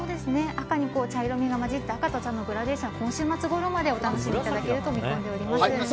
赤に茶色みが混じって赤と茶のグラデーションは今週末頃までお楽しみいただけると見込んでいます。